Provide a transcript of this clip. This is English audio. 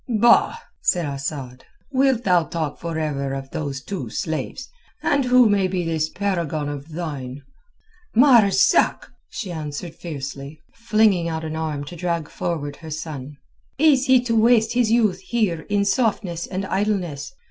"Bah!" said Asad. "Wilt thou talk forever of those two slaves? And who may be this paragon of thine?" "Marzak," she answered fiercely, flinging out an arm to drag forward her son. "Is he to waste his youth here in softness and idleness?